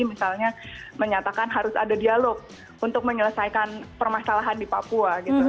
misalnya menyatakan harus ada dialog untuk menyelesaikan permasalahan di papua gitu